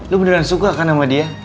lu beneran suka kan sama dia